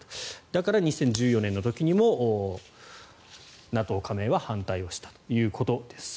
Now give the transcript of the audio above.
だから２０１４年の時にもＮＡＴＯ加盟は反対をしたということです。